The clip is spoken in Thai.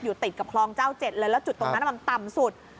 ติดกับคลองเจ้าเจ็ดเลยแล้วจุดตรงนั้นมันต่ำสุด